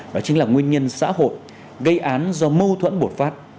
đó chính là nguyên nhân xã hội gây án do mâu thuẫn bột phát